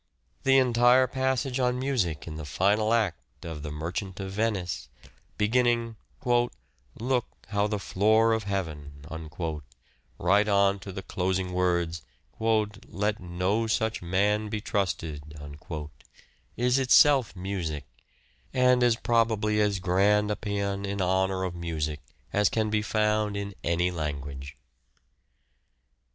The entire passage on music in the final act of " The Merchant of Venice," be ginning " Look how the floor of heaven," right on to the closing words " Let no such man be trusted," is itself music, and is probably as grand a paeon in honour of music as can be found in any language.